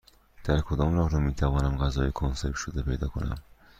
در کدام راهرو می توانم غذای کنسرو شده پیدا کنم؟